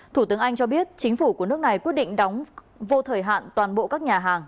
thủ tướng anh cho biết chính phủ của nước này quyết định đóng vô thời hạn toàn bộ các nhà hàng